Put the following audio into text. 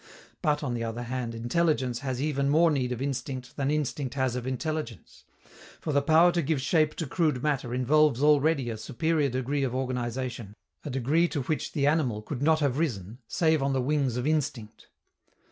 But, on the other hand, intelligence has even more need of instinct than instinct has of intelligence; for the power to give shape to crude matter involves already a superior degree of organization, a degree to which the animal could not have risen, save on the wings of instinct.